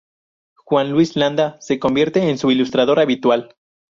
Juan Luis Landa se convierte en su ilustrador habitual.